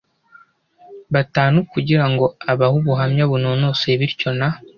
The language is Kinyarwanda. batanu kugira ngo abahe ubuhamya bunonosoye bityo na